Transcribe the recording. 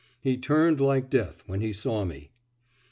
He turned like death when he saw me.